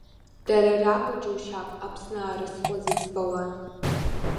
Дара ракәу џьушьап Аԥсны аразҟы зыӡбауа.